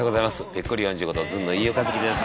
ぺっこり４５度ずんの飯尾和樹です。